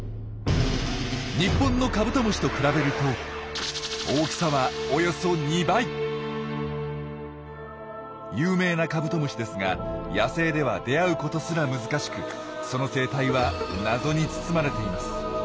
日本のカブトムシと比べると有名なカブトムシですが野生では出会うことすら難しくその生態は謎に包まれています。